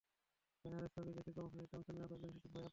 ব্যানারের ছবি দেখে কর্মসূচিতে অংশ নেওয়া কয়েকজন শিশু ভয়ে আঁতকে ওঠে।